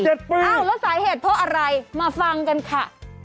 แล้วสาเหตุเพราะอะไรมาฟังกันค่ะ